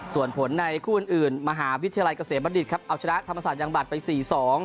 ส่วนผลในคู่อื่นมหาวิทยาลัยเกษตรบรรดิครับเอาชนะธรรมศาสตร์ยังบัตรไป๔๒